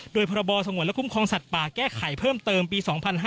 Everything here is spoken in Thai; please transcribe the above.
โดยพรบสงวนและคุ้มครองสัตว์ป่าแก้ไขเพิ่มเติมปี๒๕๕๙